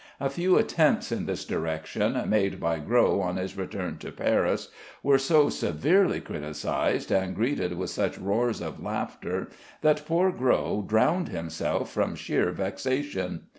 A few attempts in this direction, made by Gros on his return to Paris, were so severely criticised, and greeted with such roars of laughter, that poor Gros drowned himself from sheer vexation.